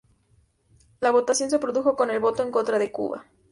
La votación se produjo con el voto en contra de Cuba.